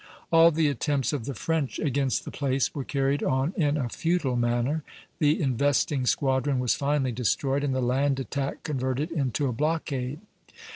All the attempts of the French against the place were carried on in a futile manner; the investing squadron was finally destroyed and the land attack converted into a blockade.